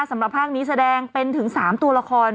สำหรับภาคนี้แสดงเป็นถึง๓ตัวละคร